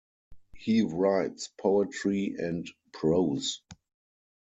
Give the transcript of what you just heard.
He writes poetry and prose.